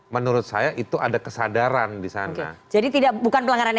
menurut saya itu ada kesadaran di sana